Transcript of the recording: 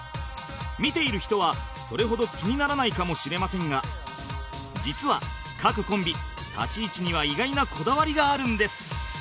見ている人はそれほど気にならないかもしれませんが実は各コンビ立ち位置には意外なこだわりがあるんです